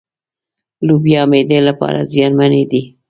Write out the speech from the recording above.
لوبيا معدې لپاره زيانمنې دي.